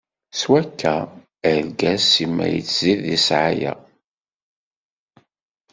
Swakka, argaz simmal ittzid di ssɛaya.